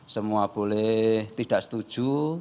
semua boleh tidak setuju